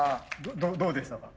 どうでしたか？